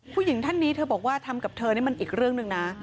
ผู้หญิงท่านนี้เธอบอกว่าทำกับเธอนี่มันอีกเรื่องหนึ่งนะ